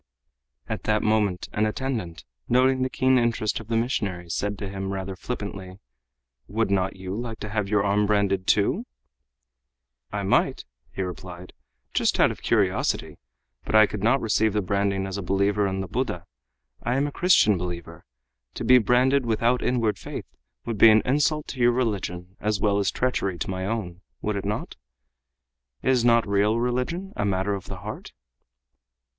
At that moment an attendant, noting the keen interest of the missionary, said to him rather flippantly, "Would you not like to have your arm branded, too?" "I might," he replied, "just out of curiosity, but I could not receive the branding as a believer in the Buddha. I am a Christian believer. To be branded without inward faith would be an insult to your religion as well as treachery to my own, would it not? Is not real religion a matter of the heart?"